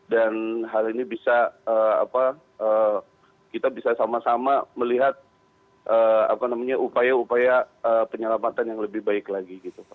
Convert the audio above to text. dan hal ini bisa kita bisa sama sama melihat upaya upaya penyelamatan yang lebih baik lagi